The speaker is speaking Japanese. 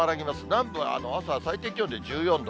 南部は朝、最低気温で１４度。